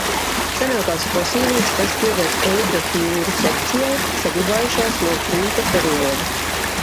Senākās fosilijas, kas pieder eibrahiuru sekcijai, saglabājušās no krīta perioda.